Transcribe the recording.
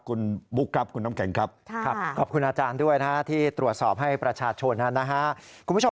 คุณบุ๊คครับคุณน้ำแข็งครับขอบคุณอาจารย์ด้วยนะฮะที่ตรวจสอบให้ประชาชนนะฮะคุณผู้ชม